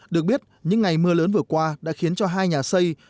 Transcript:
được biết những ngày mưa lớn vừa qua đã khiến cho hai nhà xây